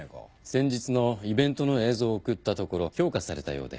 先日のイベントの映像を送ったところ評価されたようで。